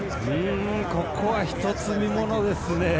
ここは、一つ見ものですね。